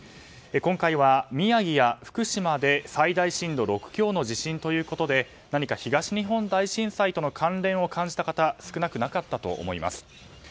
今回は宮城や福島で最大震度６強の地震ということで何か東日本大震災との関連を感じた方少なくなかったと思います。